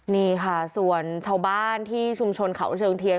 นี่ค่ะส่วนชาวบ้านที่ชุมชนเขาเชิงเทียน